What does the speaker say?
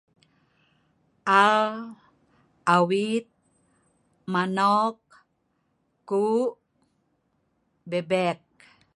Aal, awit, manok, kuq, bebek